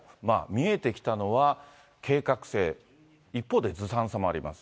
見えてきたのは、計画性、一方でずさんさもあります。